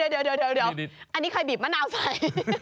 เดี๋ยวอันนี้ใครบีบมะนาวไป